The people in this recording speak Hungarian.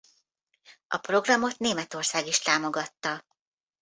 A programot Németország is támogatta.